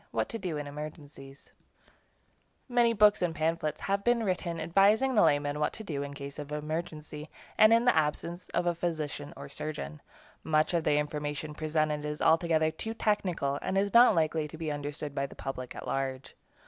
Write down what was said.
WHAT TO DO IN EMERGENCIES Many books and pamphlets have been written advising the layman what to do in a case of emergency, and in the absence of a physician or surgeon. Much of the information presented is altogether too technical, and is not likely to be understood by the public at large.